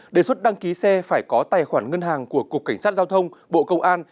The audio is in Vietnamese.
đề xuất đăng ký xe phải có tài khoản ngân hàng của cục cảnh sát giao thông bộ công an